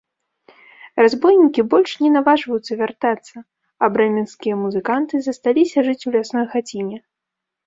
Разбойнікі больш не наважваюцца вяртацца, а брэменскія музыканты засталіся жыць у лясной хаціне.